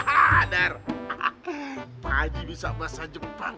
hahaha dar pak haji bisa bahasa jepang